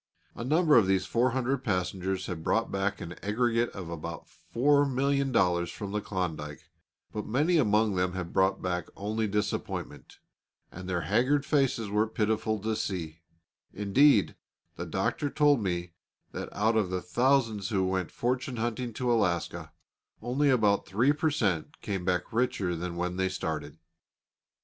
A number of these four hundred passengers had brought back an aggregate of about $4,000,000 from the Klondike; but many among them had brought back only disappointment, and their haggard faces were pitiful to see; indeed, the Doctor told me that out of the thousands who went fortune hunting to Alaska, only about 3 per cent. came back richer than when they started.